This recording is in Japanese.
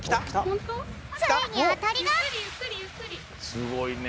すごいね。